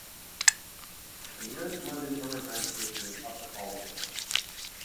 The nearest London Overground station is Upper Holloway.